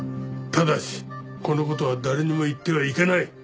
ただしこの事は誰にも言ってはいけない。